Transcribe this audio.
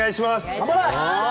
頑張れ！